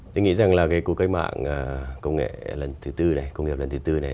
tôi nghĩ rằng là cuộc cách mạng công nghiệp lần thứ tư này